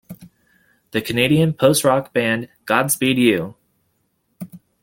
The Canadian post-rock band Godspeed You!